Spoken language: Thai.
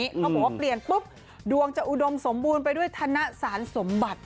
ปลู๊บเปลี่ยนปุ๊บดวงจะอุดมสมบูรณ์ไปด้วยธรรมค์สารสมบัติ